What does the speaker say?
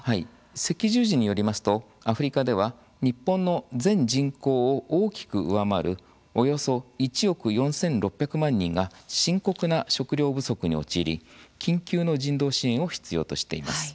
赤十字によりますとアフリカでは日本の全人口を大きく上回るおよそ１億４６００万人が深刻な食料不足に陥り、緊急の人道支援を必要としています。